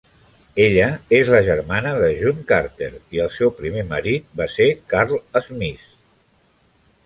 Ella és la germana de June Carter i el seu primer marit va ser Carl Smith.